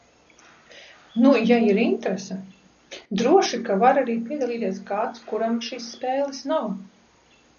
Nu, ja ir interese. Droši ka var arī piedalīties kāds, kuram šīs spēles nav.